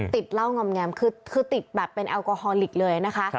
ติดเหล้างอมแงมคือติดแบบเป็นแอลกอฮอลิกเลยนะคะ